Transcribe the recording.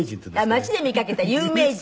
街で見かけた有名人。